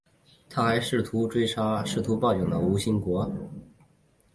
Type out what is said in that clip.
他还试图追杀试图报警的吴新国。